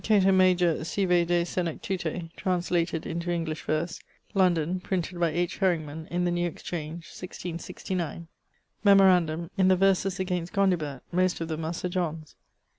Cato Major sive De Senectute, translated into English verse, London, printed by H. Heringman, in the New Exchange, 1669. Memorandum: in the verses against Gondibert, most of them are Sir John's.